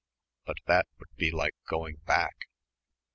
But that would be like going back.